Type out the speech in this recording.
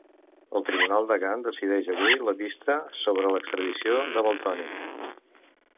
El tribunal de Gant decideix avui la vista sobre l'extradició de Valtònyc.